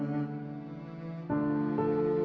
jadi mbak fi dua puluh delapan da'at